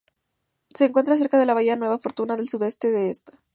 Se encuentra cerca a Bahía Nueva Fortuna, al suroeste de ella.